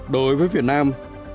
đối với việt nam